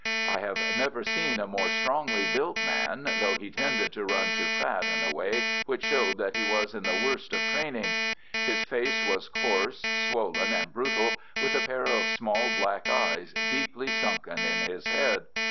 I have never seen a more strongly built man, though he tended to run to fat in a way which showed that he was in the worst of training. His face was coarse, swollen, and brutal, with a pair of small black eyes deeply sunken in his head.